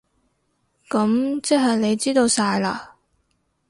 噉即係你知道晒喇？